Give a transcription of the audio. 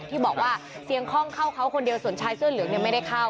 ที่บอกว่าเสียงคล่องเข้าเขาคนเดียวส่วนชายเสื้อเหลืองเนี่ยไม่ได้เข้า